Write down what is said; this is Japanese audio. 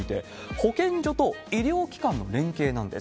保健所と医療機関の連携なんです。